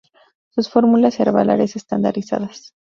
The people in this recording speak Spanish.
Son fórmulas herbales estandarizadas.